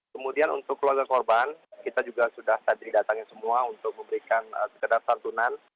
kemudian untuk keluarga korban kita juga sudah tadi datangin semua untuk memberikan sekedar santunan